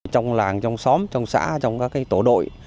trong làng trong xóm trong xã trong các tổ đội